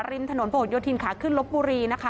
ริมถนนผนโยธินขาขึ้นลบบุรีนะคะ